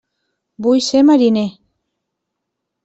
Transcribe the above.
Vull ser mariner!